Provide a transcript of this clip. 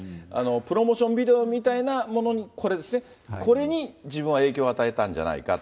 プロモーションビデオみたいなもの、これ、ですね、これに自分は影響を与えたんじゃないか。